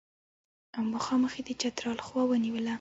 او مخامخ یې د چترال خوا ونیوله.